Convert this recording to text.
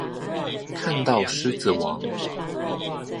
看到獅子王